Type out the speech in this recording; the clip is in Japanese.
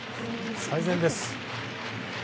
最善です。